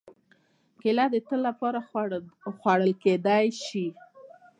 کېله د تل لپاره خوړل کېدای شي.